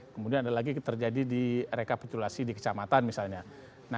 kemudian ada lagi terjadi di rekapitulasi di kecamatan misalnya